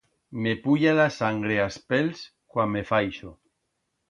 Me puya la sangre a's pels cuan me fa ixo.